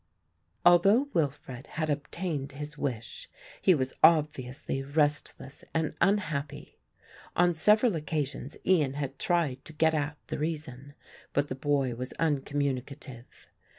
Although Wilfred had obtained his wish, he was obviously restless and unhappy. On several occasions Ian had tried to get at the reason, but the boy was uncommunicative.